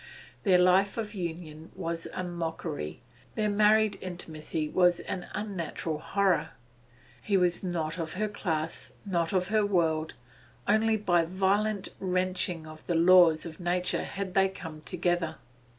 Their life of union was a mockery; their married intimacy was an unnatural horror. He was not of her class, not of her world; only by violent wrenching of the laws of nature had they come together.